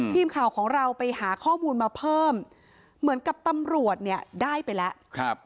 ทีมข่าวของเราไปหาข้อมูลมาเพิ่มเหมือนกับตำรวจเนี่ยได้ไปแล้ว